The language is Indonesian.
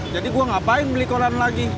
jadi gue ngapain beli koran lagi